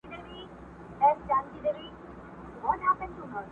نا امیده له قاضي له حکومته،